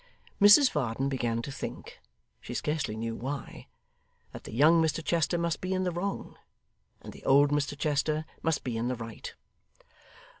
Mrs Varden began to think (she scarcely knew why) that the young Mr Chester must be in the wrong and the old Mr Chester must be in the right.